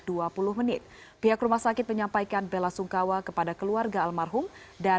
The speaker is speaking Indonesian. dek pihak rumah sakit menyampaikan bella sungkawa kepada keluarga almarhum dan